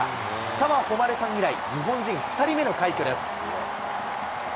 澤穂希さん以来、日本人２人目の快挙です。